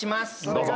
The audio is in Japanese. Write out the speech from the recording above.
どうぞ。